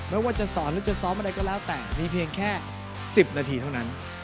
ไม่ว่าจะสอนหรือจะซ้อมอะไรก็แล้วแต่มีเพียงแค่๑๐นาทีเท่านั้น